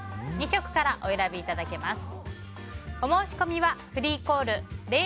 ２色からお選びいただけます。